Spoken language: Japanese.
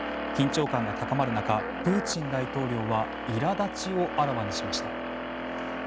緊張感が高まる中プーチン大統領はいらだちをあらわにしました。